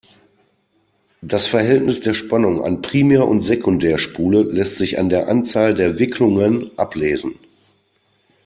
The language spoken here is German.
Das Verhältnis der Spannung an Primär- und Sekundärspule lässt sich an der Anzahl der Wicklungen ablesen.